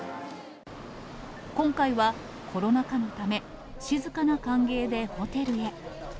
今回はコロナ禍のため、静かな歓迎でホテルへ。